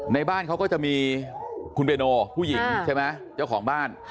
ในบ้านเขาก็จะมีคุณเบโนผู้หญิงใช่ไหมเจ้าของบ้าน